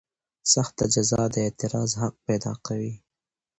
سخته جزا د اعتراض حق پیدا کوي.